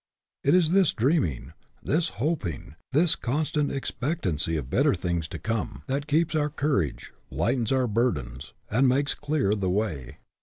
It is this dreaming, this hoping, this con stant expectancy of better things to come, WORLD OWES TO DREAMERS 73 that keeps up our courage, lightens our bur dens, and makes clear the way.